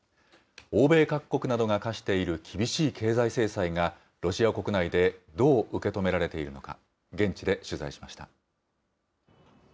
欧米各国などが科している厳しい経済制裁が、ロシア国内でどう受け止められているのか、現地で取材しました。